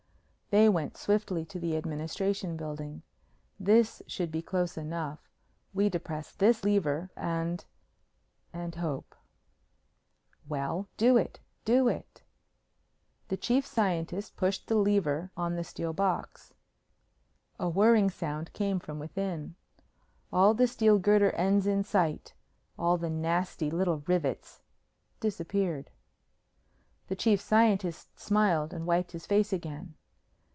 They went swiftly to the Administration Building. "This should be close enough. We depress this lever and and hope." "Well, do it do it!" The Chief Scientist pushed the lever on the steel box. A whirring sound came from within. All the steel girder ends in sight all the nasty little rivets disappeared. The Chief Scientist smiled and wiped his face again.